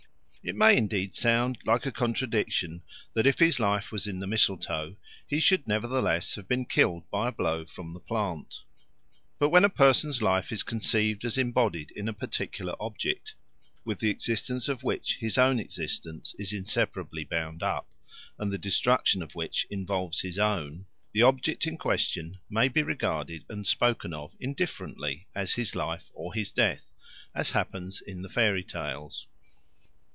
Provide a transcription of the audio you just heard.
It may indeed sound like a contradiction that, if his life was in the mistletoe, he should nevertheless have been killed by a blow from the plant. But when a person's life is conceived as embodied in a particular object, with the existence of which his own existence is inseparably bound up, and the destruction of which involves his own, the object in question may be regarded and spoken of indifferently as his life or his death, as happens in the fairy tales.